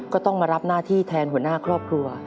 ก็ต้องมารับหน้าที่แทนหัวหน้าครอบครัว